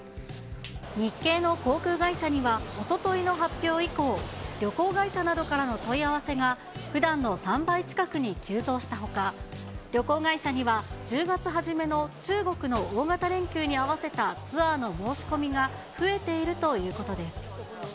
日系の航空会社には、おとといの発表以降、旅行会社などからの問い合わせがふだんの３倍近くに急増したほか、旅行会社には、１０月初めの中国の大型連休に合わせたツアーの申し込みが増えているということです。